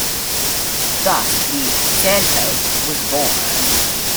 Thus the "Santos" was born.